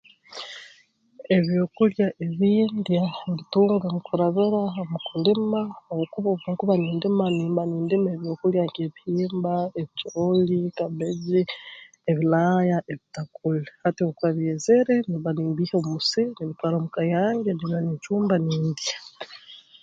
Ebyokulya ebi ndya mbitunga mu kurabira mu kulima habwokuba obu nkuba nindima nimba nindima ebyokulya nk'ebihimba ebicooli kabbeji abilaaya ebitakuli hati obu bikuba byezere nimba nimbiiha omu musiri nimbitwara mu ka yange nimba nincumba nindya